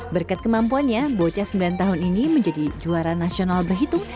berkat kemampuannya bocah sembilan tahun ini menjadi juara nasional berhitung